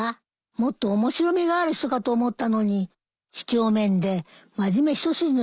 もっと面白みがある人かと思ったのにきちょうめんで真面目一筋の人なんですもん。